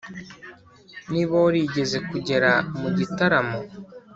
niba warigeze kugera mu gitaramo,